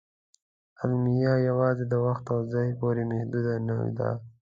اعلامیه یواځې د وخت او ځای پورې محدود نه ده.